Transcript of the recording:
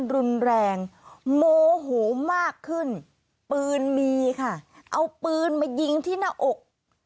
รุนแรงโมโหมากขึ้นปืนมีค่ะเอาปืนมายิงที่หน้าอก